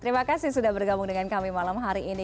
terima kasih sudah bergabung dengan kami malam hari ini